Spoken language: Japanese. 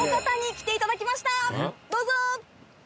どうぞ！